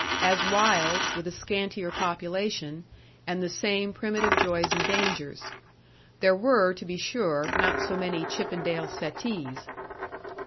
As wild, with a scantier population, and the same primitive joys and dangers. There were, to be sure, not so many Chippendale settees.